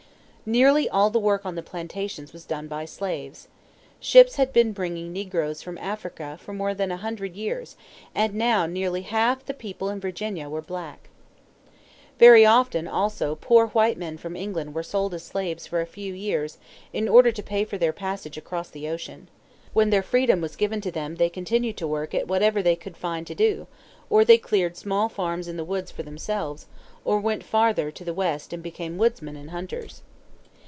Nearly all the work on the plantations was done by slaves. Ships had been bringing negroes from Africa for more than a hundred years, and now nearly half the people in Virginia were blacks. Very often, also, poor white men from England were sold as slaves for a few years in order to pay for their passage across the ocean. When their freedom was given to them they continued to work at whatever they could find to do; or they cleared small farms in the woods for themselves, or went farther to the west and became woodsmen and hunters.